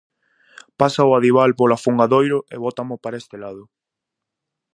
Pasa o adival polo afungadoiro e bótamo para este lado.